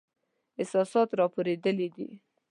احساسات را پارېدلي دي.